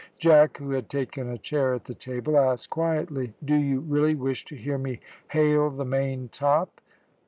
Jack, who had taken a chair at the table, asked quietly, "do you really wish to hear me hail the main top?"